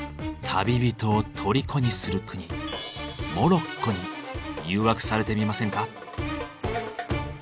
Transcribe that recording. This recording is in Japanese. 旅人を虜にする国モロッコに誘惑されてみませんか。